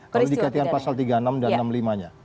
kalau dikatakan pasal tiga puluh enam dan enam puluh lima nya